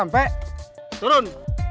nenek ambil sarapan